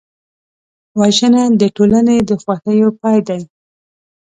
وژنه د ټولنې د خوښیو پای دی